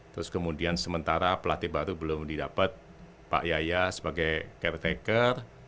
terus kemudian sementara pelatih baru belum didapat pak yaya sebagai caretaker